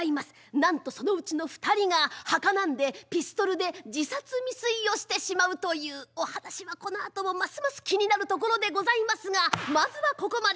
なんとそのうちの２人がはかなんでピストルで自殺未遂をしてしまうというお話はこのあともますます気になるところでございますがまずはここまで。